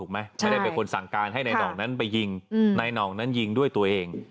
ไม่ได้เป็นคนสั่งการให้นายหน่องนั้นไปยิงนายหน่องนั้นยิงด้วยตัวเอง